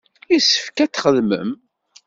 Yessefk ad txedmem.